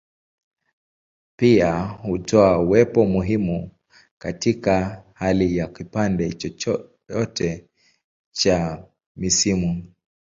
Pia hutoa uwepo muhimu katika hali ya kipande chote cha misimu.